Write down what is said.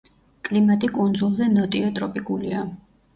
კლიმატი კუნძულზე ნოტიო ტროპიკულია.